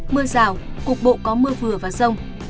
mưa rào cục bộ có mưa vừa và rông